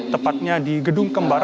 tepatnya di gedung kembar